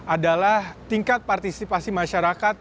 adalah tingkat partisipasi masyarakat